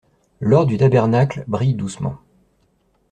L'or du tabernacle brille doucement.